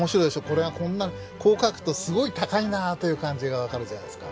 これがこんなこう描くとすごい高いなあという感じが分かるじゃないですか。